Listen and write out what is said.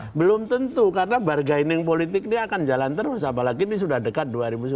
ya belum tentu karena bargaining politik ini akan jalan terus apalagi ini sudah dekat dua ribu sembilan belas